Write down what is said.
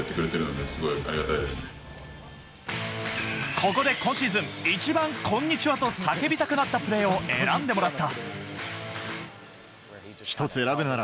ここで今シーズン一番コンニチハと叫びたくなったプレーを選んでもらった。